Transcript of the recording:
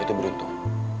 lo itu beruntung